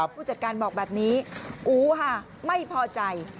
ผู้จัดการบอกแบบนี้อู๋ค่ะไม่พอใจ